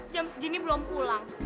jam segini belum pulang